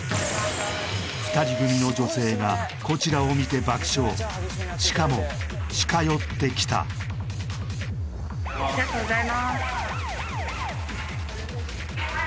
２人組の女性がこちらを見て爆笑しかも近寄ってきたありがとうございます